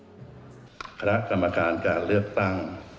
เวลาประหลาดกาลการเลื่องตั้ง